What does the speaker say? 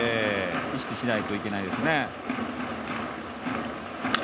意識しないといけないですね。